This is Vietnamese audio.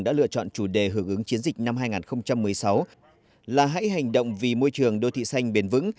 đã lựa chọn chủ đề hưởng ứng chiến dịch năm hai nghìn một mươi sáu là hãy hành động vì môi trường đô thị xanh bền vững